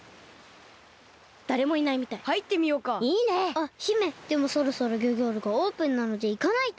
あっ姫でもそろそろギョギョールがオープンなのでいかないと。